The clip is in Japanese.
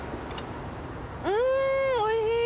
んおいしい。